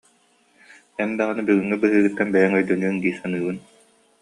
Эн даҕаны, бүгүҥҥү быһыыгыттан бэйэҥ өйдөнүөҥ дии саныыбын